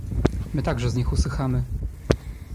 "my także z nich usychamy."